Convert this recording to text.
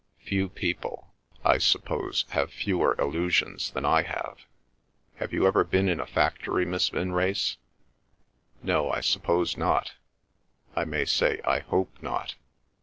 Few people, I suppose, have fewer illusions than I have. Have you ever been in a factory, Miss Vinrace!—No, I suppose not—I may say I hope not."